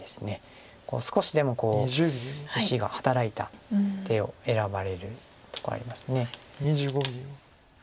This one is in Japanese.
少しでも石が働いた手を選ばれるとこあります。